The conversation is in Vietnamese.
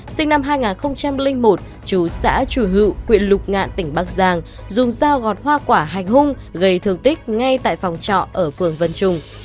sinh năm hai nghìn một chú xã chùi huyện lục ngạn tỉnh bắc giang dùng dao gọt hoa quả hành hung gây thương tích ngay tại phòng trọ ở phường vân trung